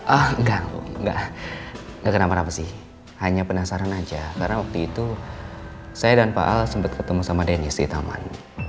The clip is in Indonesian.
oh enggak bu enggak enggak kenapa napa sih hanya penasaran aja karena waktu itu saya dan pak al sempat ketemu sama denis di taman